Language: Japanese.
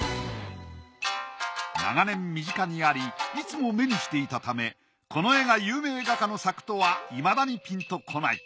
長年身近にありいつも目にしていたためこの絵が有名画家の作とはいまだにピンとこない。